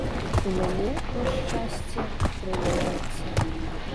У мяне, на шчасце, атрымліваецца.